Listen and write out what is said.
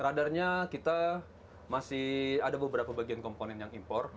radarnya kita masih ada beberapa bagian komponen yang impor